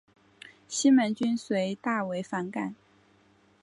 西门君遂大为反感。